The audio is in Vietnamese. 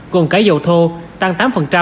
cùng cái dầu thô tăng tám